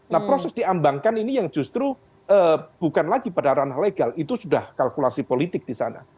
nah proses diambangkan ini yang justru bukan lagi pada ranah legal itu sudah kalkulasi politik di sana